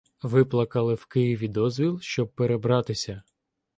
Виплакали в Києві дозвіл, щоб перебратися.